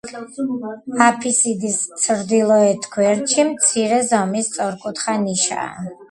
აფისიდის ჩრდილოეთ გვერდში მცირე ზომის სწორკუთხა ნიშაა.